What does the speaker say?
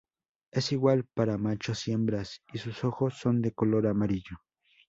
Es igual para machos y hembras, y sus ojos son de color amarillo.